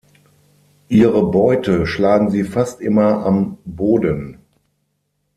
Ihre Beute schlagen sie fast immer am Boden.